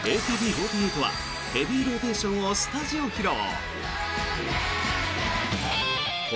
ＡＫＢ４８は「ヘビーローテーション」をスタジオ披露。